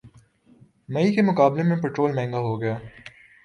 مئی کے مقابلے میں پٹرول مہنگا ہوگیا